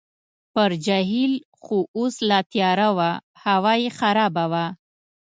پر جهیل خو اوس لا تیاره وه، هوا یې خرابه وه.